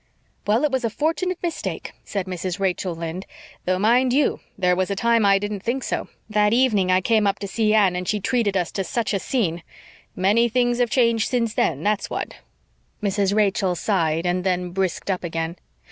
"Well, it was a fortunate mistake," said Mrs. Rachel Lynde, "though, mind you, there was a time I didn't think so that evening I came up to see Anne and she treated us to such a scene. Many things have changed since then, that's what." Mrs. Rachel sighed, and then brisked up again.